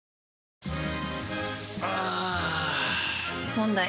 問題。